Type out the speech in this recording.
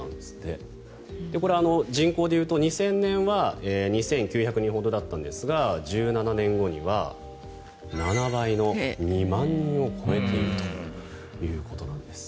これ、人口で言うと２０００年は２９００人ほどだったんですが１７年後には７倍の２万人を超えているということなんです。